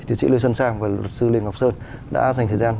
tiến sĩ lê xuân sang và luật sư lê ngọc sơn đã dành thời gian